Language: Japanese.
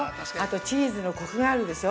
チーズのコクがあるでしょ。